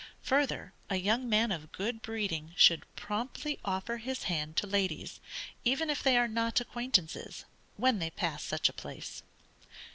Further, a young man of good breeding should promptly offer his hand to ladies, even if they are not acquaintances, when they pass such a place.